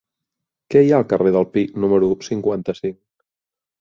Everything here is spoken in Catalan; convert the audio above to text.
Què hi ha al carrer del Pi número cinquanta-cinc?